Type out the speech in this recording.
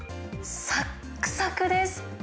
さっくさくです。